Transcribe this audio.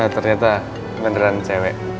ternyata beneran cewek